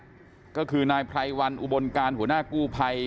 ล่าสุดทางกู้ภัยนะครับก็คือนายไพรวันอุบลการณ์หัวหน้ากู้ภัย